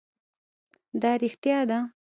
دا رښتيا ده؟